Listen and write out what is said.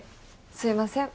すいません。